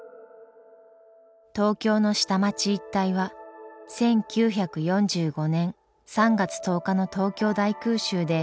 東京の下町一帯は１９４５年３月１０日の東京大空襲で焼け野原になりました。